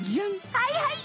はいはい！